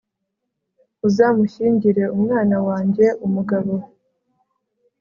uzamushyingire umwana wange umugabo